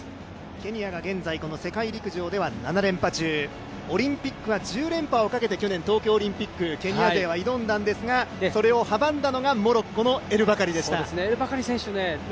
ケニアが現在、世界陸上は７連覇中オリンピックは１０連覇をかけて去年、東京オリンピック、ケニア勢は挑んだんですがそれを阻んだのがモロッコのエル・バカリ選手でした．